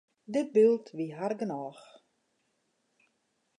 Dit byld wie har genôch.